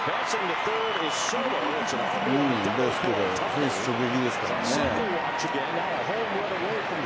フェンス直撃ですからね。